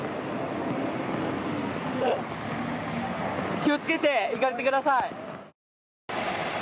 気をつけて行かれてください。